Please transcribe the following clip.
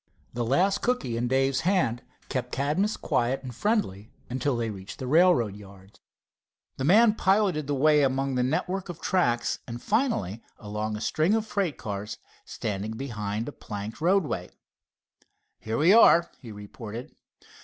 The last cookie in Dave's hands kept Cadmus quiet and friendly until they reached the railroad yards. The man piloted the way among a network of tracks, and finally along a string of freight cars standing beside a planked roadway. "Here we are," he reported.